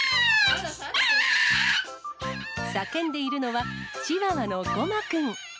叫んでいるのは、チワワのごまくん。